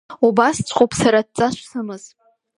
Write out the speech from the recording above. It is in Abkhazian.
Убасҵәҟьоуп сара адҵа шсымаз.